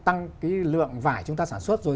tăng cái lượng vải chúng ta sản xuất rồi